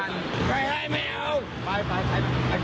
ลุงขึ้นข้ามไม่ให้แค่นี้ค่ะ